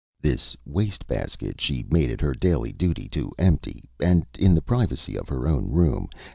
This waste basket she made it her daily duty to empty, and in the privacy of her own room.